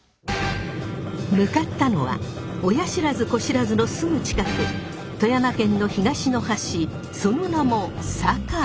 向かったのは親不知・子不知のすぐ近く富山県の東の端その名も「境」。